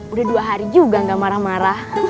udah dua hari juga gak marah marah